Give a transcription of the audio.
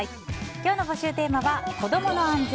今日の募集テーマは子供の安全